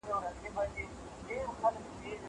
زه کولای سم کتابونه وړم.